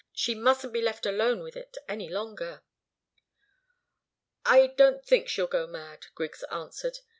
She mustn't be left alone with it any longer." "I don't think she'll go mad," Griggs answered.